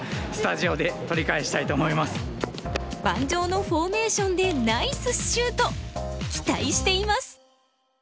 「盤上のフォーメーション」でナイスシュート期待しています！